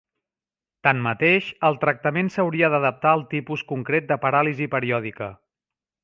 Tanmateix, el tractament s'hauria d'adaptar al tipus concret de paràlisi periòdica.